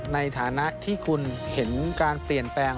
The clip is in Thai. ในฐานะที่คุณเห็นการเปลี่ยนแปลง